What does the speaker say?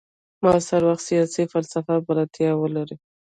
معاصر وخت سیاسي فلسفې بلدتیا ولري.